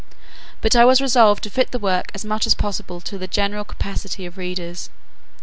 But I was resolved to fit the work as much as possible to the general capacity of readers.